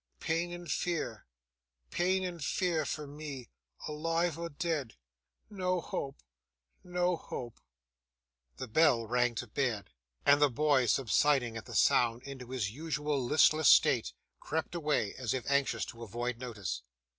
Pain and fear, pain and fear for me, alive or dead. No hope, no hope!' The bell rang to bed: and the boy, subsiding at the sound into his usual listless state, crept away as if anxious to avoid notice.